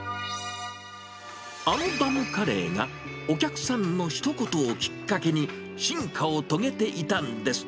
あのダムカレーがお客さんのひと言をきっかけに進化を遂げていたんです。